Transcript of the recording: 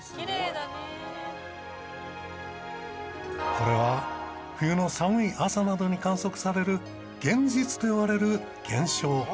これは冬の寒い朝などに観測される幻日といわれる現象。